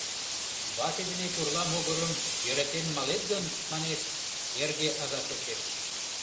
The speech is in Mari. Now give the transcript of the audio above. «Вате дене пурла могырым йӧратен малет гын, — манеш, — эрге аза шочеш».